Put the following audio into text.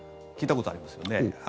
聞いたことありますよね。